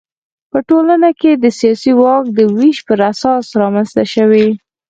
په ټولنه کې د سیاسي واک د وېش پر اساس رامنځته شوي.